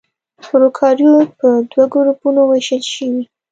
پروکاريوت په دوه ګروپونو وېشل شوي.